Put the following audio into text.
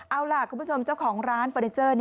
เอาล่ะคุณผู้ชมเจ้าของร้านเฟอร์นิเจอร์